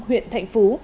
huyện thạnh phú